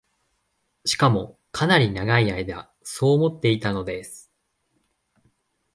しかも、かなり永い間そう思っていたのです